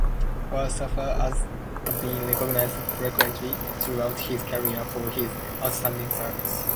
Howard Safir has been recognized frequently throughout his career for his outstanding service.